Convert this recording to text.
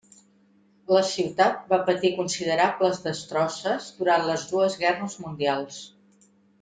La ciutat va patir considerables destrosses durant les dues guerres mundials.